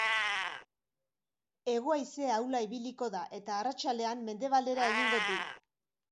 Hego-haize ahula ibiliko da, eta arratsaldean mendebaldera egingo du.